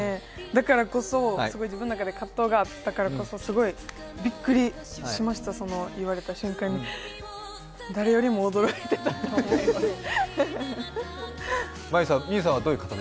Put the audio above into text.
だからこそ自分の中で葛藤があったからこそすごいびっくりしました、言われた瞬間に誰よりも驚いていたと思います。